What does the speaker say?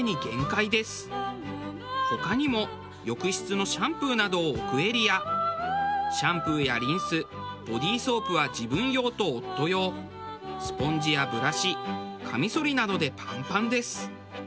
他にも浴室のシャンプーなどを置くエリアシャンプーやリンスボディーソープは自分用と夫用スポンジやブラシかみそりなどでパンパンです。